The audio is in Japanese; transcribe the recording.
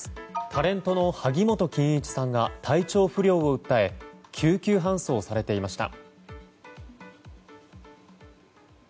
タレントの萩本欽一さんが体調不良を訴え救急搬送されていました。